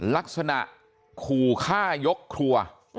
ลักษณะขู่ฆ่ายกครัว